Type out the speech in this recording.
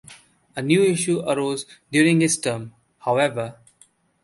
A new issue arose during his term, however.